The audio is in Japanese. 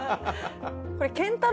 これ健太郎